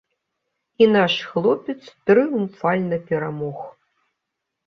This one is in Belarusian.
І наш хлопец трыумфальна перамог.